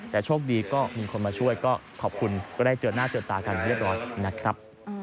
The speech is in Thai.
แต่โชคดีก็มีคนมาช่วยก็ขอบคุณก็ได้เจอหน้าเจอตากันเรียบร้อยนะครับ